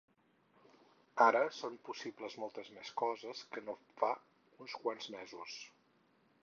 "Ara són possibles moltes més coses que no fa uns quants mesos"